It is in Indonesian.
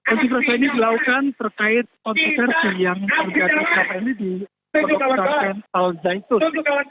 unjuk rasa ini dilakukan terkait konsersi yang terjadi saat ini di pompas al zaitun